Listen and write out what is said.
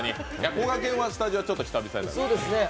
こがけんはスタジオ、ちょっと久々ですね。